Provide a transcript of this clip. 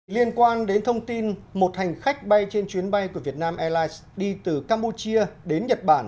liên quan đến thông tin một hành khách bay trên chuyến bay của việt nam airlines đi từ campuchia đến nhật bản